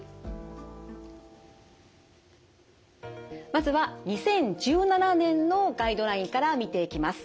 まずは２０１７年のガイドラインから見ていきます。